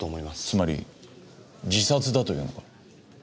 つまり自殺だというのか？